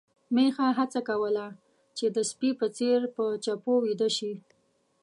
میښه هڅه کوله چې د سپي په څېر په چپو ويده شي.